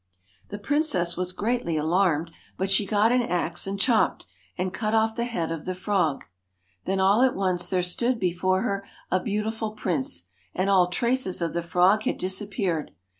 The princess was greatly alarmed, but she got an axe and chopped, and cut off the head of the frog. Then all at once there stood before her a beautiful prince, and all traces of the frog had disappeared.